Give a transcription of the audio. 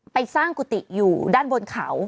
ไปสร้างกุฏิอยู่ด้านบนเขา